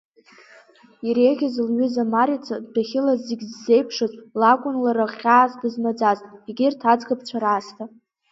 Иреиӷьыз лҩыза Марица, дәахьыла зегь ззеиԥшыз, лакәын лара хьаас дызмаӡаз, егьырҭ аӡӷабцәа раасҭа.